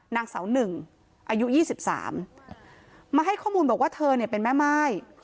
นางสาวหนึ่งอายุยี่สิบสามมาให้ข้อมูลบอกว่าเธอเนี้ยเป็นแม่ไม้